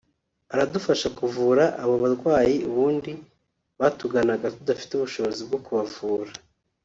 aradufasha kuvura abo barwayi ubundi batuganaga tudafite ubushobozi bwo kubavura